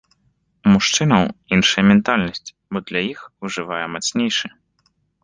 У мужчынаў іншая ментальнасць, бо для іх выжывае мацнейшы.